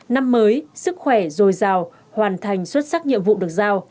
năm mới sức khỏe rồi giàu hoàn thành xuất sắc nhiệm vụ được giao